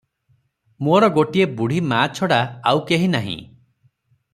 “ମୋର ଗୋଟିଏ ବୁଢ଼ୀମାଆ ଛଡ଼ା ଆଉ କେହି ନାହିଁ ।”